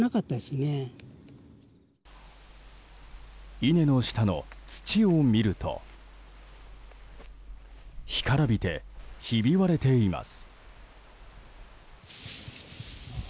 稲の下の土を見ると干からびて、ひび割れています。